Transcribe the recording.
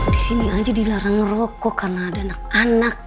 di sini aja dilarang merokok karena ada anak anak